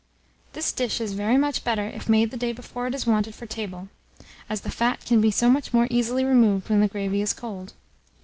This dish is very much better if made the day before it is wanted for table, as the fat can be so much more easily removed when the gravy is cold.